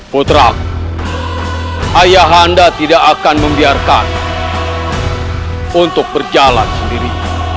putra ayah anda tidak akan membiarkan untuk berjalan sendiri